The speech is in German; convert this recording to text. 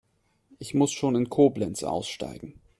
Ich muss schon in Koblenz aussteigen